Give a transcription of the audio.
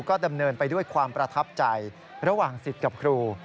ก็ดำเนินไปด้วยความประทับใจระหว่างสิทธิ์กับครู